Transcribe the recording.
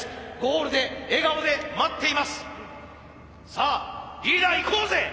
さあリーダーいこうぜ！